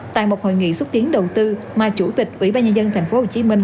tại một hội nghị xúc tiến đầu tư mà chủ tịch ủy ban nhân dân tp hcm